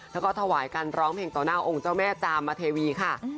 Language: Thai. แล้วก็ถวายการร้องเพลงต่อหน้าองค์เจ้าแม่จามเทวีค่ะ